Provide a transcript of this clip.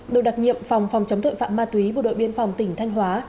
đội đặc nhiệm phòng phòng chống tội phạm ma túy bộ đội biên phòng tỉnh thanh hóa